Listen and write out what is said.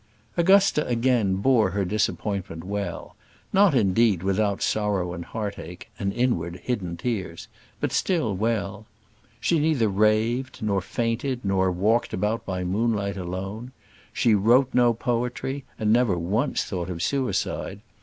Augusta again bore her disappointment well: not, indeed, without sorrow and heartache, and inward, hidden tears; but still well. She neither raved, nor fainted, nor walked about by moonlight alone. She wrote no poetry, and never once thought of suicide.